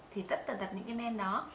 thì tất tật tật những cái men đó